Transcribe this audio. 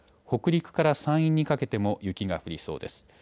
北陸から山陰にかけても雪が降りそうです。